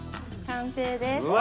完成です。